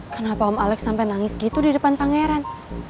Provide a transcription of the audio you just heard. kenapa om alex sampai nangis gitu di depan pangeran